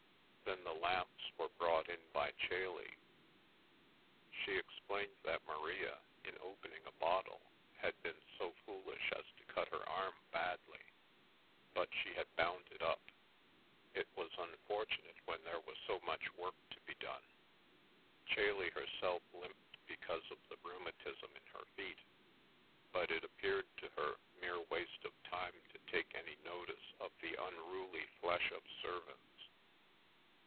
Then the lamps were brought in by Chailey. She explained that Maria, in opening a bottle, had been so foolish as to cut her arm badly, but she had bound it up; it was unfortunate when there was so much work to be done. Chailey herself limped because of the rheumatism in her feet, but it appeared to her mere waste of time to take any notice of the unruly flesh of servants.